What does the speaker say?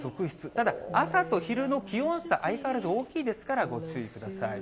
ただ朝と昼の気温差、相変わらず大きいですからご注意ください。